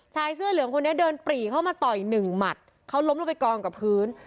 ชายเสื้อเหลืองคนนี้เดินปรีเข้ามาต่อยหนึ่งหมัดเขาล้มลงไปกองกับพื้น